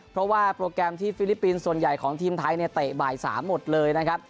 เพราะว่าโปรแกรมที่ฟิลิปปินส์ส่วนใหญ่ของทีมไทยเนี่ยเตะบ่าย๓หมดเลยนะครับ